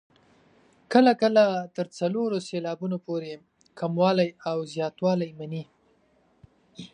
کله کله تر څلورو سېلابونو پورې کموالی او زیاتوالی مني.